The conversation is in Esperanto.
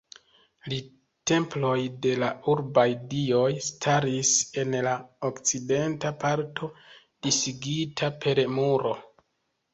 La temploj de la urbaj dioj staris en la okcidenta parto, disigita per muro.